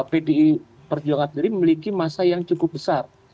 pdi perjuangan sendiri memiliki masa yang cukup besar